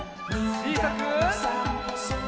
ちいさく。